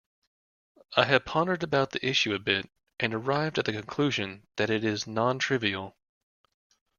I have pondered about the issue a bit and arrived at the conclusion that it is non-trivial.